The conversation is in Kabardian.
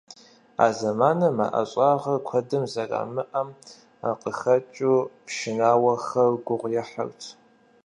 А зэманым а ӀэщӀагъэр куэдым зэрамыӀэм къыхэкӀыу, пшынауэхэр гугъу ехьырт.